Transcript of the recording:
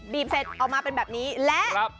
บีบเสร็จเอามาเป็นแบบนี้แล้วครับ